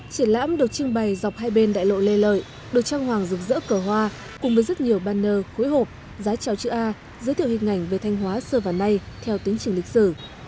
triển lãm được trưng bày dọc hai bên đại lộ lê lợi được trang hoàng rực rỡ cờ hoa cùng với rất nhiều banner khối hộp giá trào chữ a giới thiệu hình ảnh về thanh hóa xưa và nay theo tính trình lịch sử